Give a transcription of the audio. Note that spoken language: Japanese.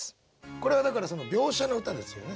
これはだから描写の歌ですよね？